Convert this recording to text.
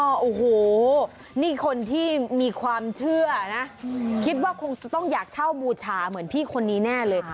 โอ้โหนี่คนที่มีความเชื่อนะคิดว่าคงจะต้องอยากเช่าบูชาเหมือนพี่คนนี้แน่เลย